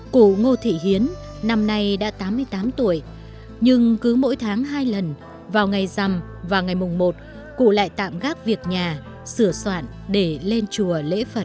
cụ ngô thị hiến năm nay đã tám mươi tám tuổi nhưng cứ mỗi tháng hai lần vào ngày dằm và ngày mùng một cụ lại tạm gác việc nhà sửa soạn để lên chùa lễ phật